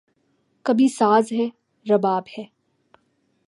کبھی ساز ہے، رباب ہے